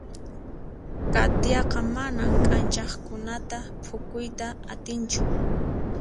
Katiaqa manan k'anchaqkunata phukuyta atinchu.